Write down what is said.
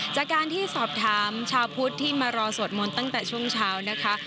จากการที่สอบถามชาวพุทธที่มารอสวดมนต์ตั้งแต่ช่วงเช้านะคะ